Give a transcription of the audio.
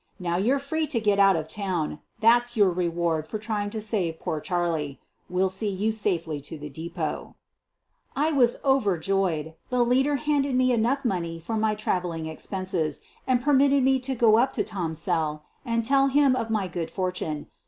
Now you're free to get out of town — that's your reward for trying to save poor Charlie. We'll see you safely to the depot." QUEEN OF THE BUEGLARS 145 I was overjoyed. The leader handed me enough money for my traveling expenses and permitted me to go up to Tom's cell and tell him of my good fortune.